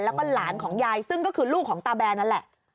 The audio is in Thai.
แล้วก็หลานของยายซึ่งก็คือลูกของตาแบนนั่นแหละ